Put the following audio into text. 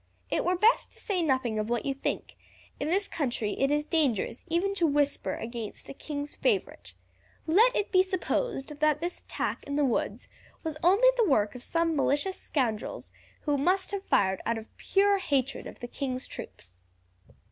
It were best to say nothing of what you think; in this country it is dangerous even to whisper against a king's favourite. Let it be supposed that this attack in the woods was only the work of some malicious scoundrels who must have fired out of pure hatred of the king's troops."